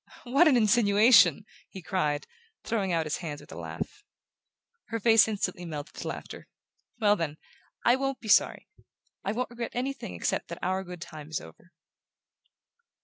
"What an insinuation!" he cried, throwing out his hands with a laugh. Her face instantly melted to laughter. "Well, then I WON'T be sorry; I won't regret anything except that our good time is over!"